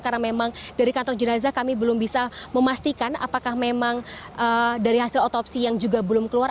karena memang dari kantong jenazah kami belum bisa memastikan apakah memang dari hasil otopsi yang juga belum keluar